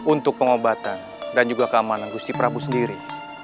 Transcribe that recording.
untuk pengobatan dan juga keamanan gusti prabu sendiri